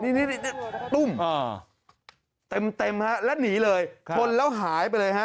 นี่นี่นี่นี่ตุ้มเต็มและหนีเลยทนแล้วหายไปเลย